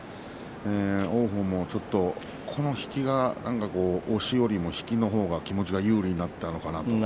王鵬も、この引きが押しよりも引きのほうが気持ちが有利になったのかなと。